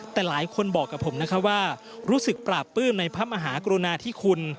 แต่หลายคนบอกกับผมนะคะว่ารู้สึกปราบปลื้มในพระมหากรุณาธิคุณ